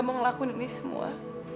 mau ngelakuin ini semua